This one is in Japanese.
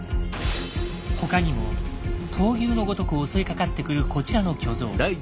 他にも闘牛のごとく襲いかかってくるこちらの巨像。